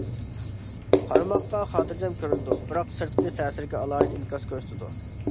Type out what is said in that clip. قارىماققا خاتىرجەم كۆرۈنىدۇ، بىراق سىرتقى تەسىرگە ئالاھىدە ئىنكاس كۆرسىتىدۇ.